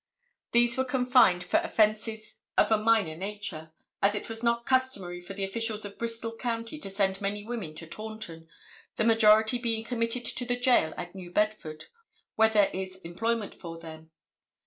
These were confined for offences of a minor nature, as it was not customary for the officials of Bristol County to send many women to Taunton, the majority being committed to the jail at New Bedford, where there is employment for them.